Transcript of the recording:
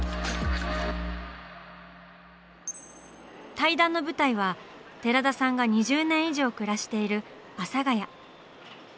対談の舞台は寺田さんが２０年以上暮らしている阿佐ヶ谷。